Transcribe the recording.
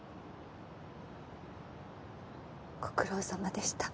ご苦労さまでした。